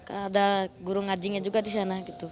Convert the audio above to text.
ada guru ngajinya juga di sana gitu